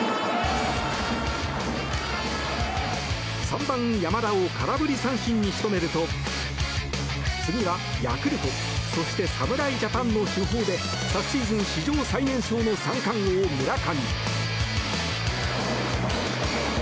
３番、山田を空振り三振に仕留めると次はヤクルトそして侍ジャパンの主砲で昨シーズン史上最年少の三冠王村上。